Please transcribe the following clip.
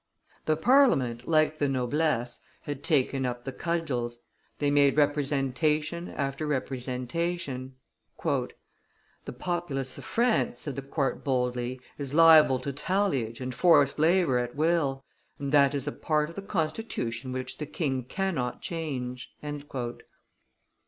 The Parliament, like the noblesse, had taken up the cudgels; they made representation after representation. "The populace of France," said the court boldly, "is liable to talliage and forced labor at will, and that is a part of the constitution which the king cannot change."